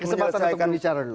saya nyelesaikan bicara dulu